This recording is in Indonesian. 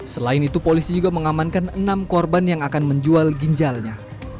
selain itu polisi juga mengamankan enam korban yang akan menjual ginjalnya